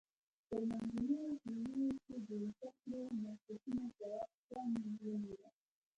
په منځنیو پیړیو کې د زده کړو مرکزونو پراختیا ومونده.